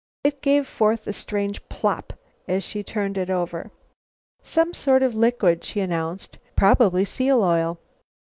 It gave forth a strange plop as she turned it over. "Some sort of liquid," she announced. "Probably seal oil."